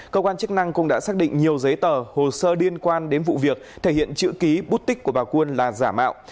cơ quan chức năng cũng đã xác định nhiều giấy tờ hồ sơ liên quan đến vụ việc thể hiện chữ ký bút tích của bà quân là giả mạo